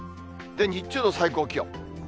日中の最高気温。